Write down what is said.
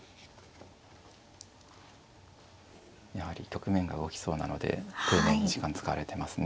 やはり局面が動きそうなので丁寧に時間使われてますね。